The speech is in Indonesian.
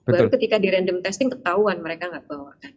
baru ketika di random testing ketahuan mereka nggak bawa